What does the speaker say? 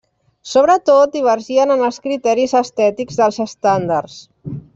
Sobretot, divergien en els criteris estètics dels estàndards.